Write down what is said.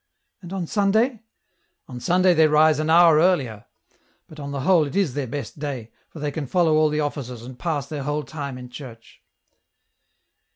" And on Sunday ?"" On Sunday they rise an hour earlier ; but on the whole it is their best day, for they can follow aH the offices and pass their whole time in church."